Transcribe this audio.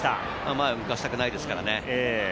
前を向かせたくないからですね。